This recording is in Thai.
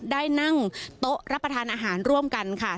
ได้นั่งโต๊ะรับประทานอาหารร่วมกันค่ะ